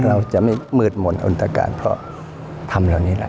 เราจะไม่มืดหมดอุณตการเพราะธรรมแล้วนี่แหละ